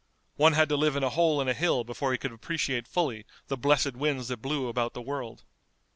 One had to live in a hole in a hill before he could appreciate fully the blessed winds that blew about the world.